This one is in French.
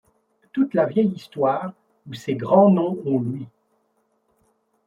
Toute la vieille histoire où ces grands noms ont lui.